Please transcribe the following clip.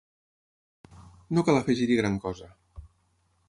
No cal afegir-hi gran cosa.